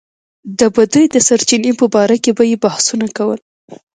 د بدۍ د سرچينې په باره کې به يې بحثونه کول.